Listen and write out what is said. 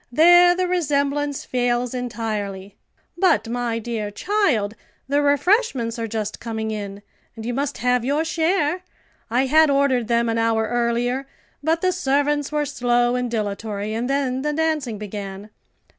there the resemblance fails entirely. But, my dear child, the refreshments are just coming in, and you must have your share. I had ordered them an hour earlier, but the servants were slow and dilatory, and then the dancing began.